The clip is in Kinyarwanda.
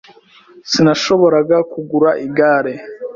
Sinashoboraga kugura igare.